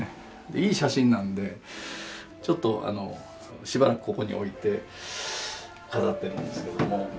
いい写真なんでちょっとしばらくここに置いて飾ってるんですけども。